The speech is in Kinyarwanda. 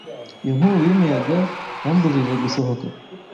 Iyo nkubi y'umuyaga yambujije gusohoka.